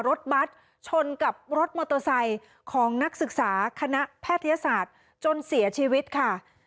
รถบัตรชนกับรถมอเตอร์ไซค์ของนักศึกษาคณะแพทยศาสตร์จนเสียชีวิตค่ะ